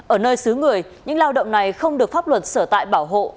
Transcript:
ở nơi xứ người những lao động này không được pháp luật sở tại bảo hộ